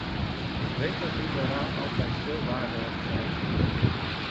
Ik weet dat u daaraan altijd veel waarde hebt gehecht.